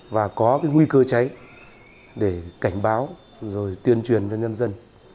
và có cái nguy cơ cháy để cảnh báo rồi tuyên truyền cho nhân dân